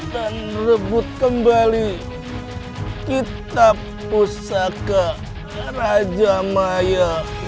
dan rebut kembali kitab pusaka raja maya